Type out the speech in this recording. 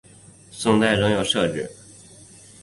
宋代仍有设置。